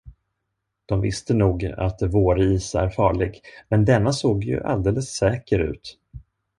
De visste nog, att våris är farlig, men denna såg ju alldeles säker ut.